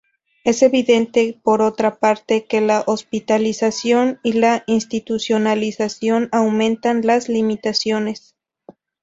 Es evidente, por otra parte, que la hospitalización y la institucionalización aumentan las limitaciones.